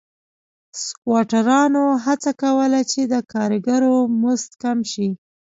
سکواټورانو هڅه کوله چې د کارګرو مزد کم شي.